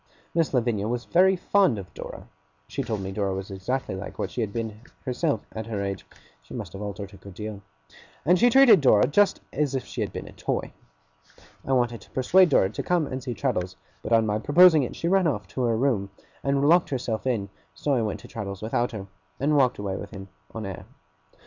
Miss Lavinia was very fond of Dora (she told me Dora was exactly like what she had been herself at her age she must have altered a good deal), and she treated Dora just as if she had been a toy. I wanted to persuade Dora to come and see Traddles, but on my proposing it she ran off to her own room and locked herself in; so I went to Traddles without her, and walked away with him on air.